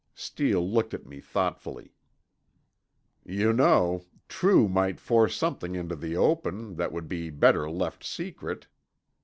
Steele looked at me thoughtfully. "You know, True might force something into the open that would be better left secret."